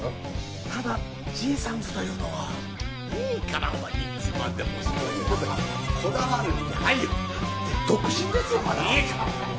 ただ爺さんズというのはいいからお前いつまでもそういうことにこだわるんじゃないよだって独身ですよまだいいから！